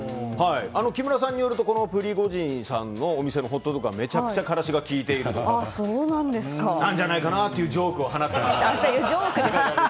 木村さんによるとプリゴジンさんのお店のホットドッグはめちゃくちゃからしが効いていたんじゃないかというジョークを放っていました。